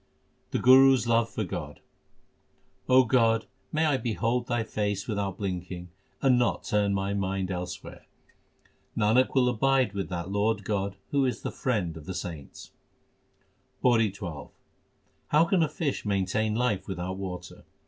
The Guru s love for God : O God, may I behold Thy face without blinking and not turn my mind elsewhere ! Nanak will abide with that Lord God who is the Friend of the saints. PAURI XII How can a fish maintain life without water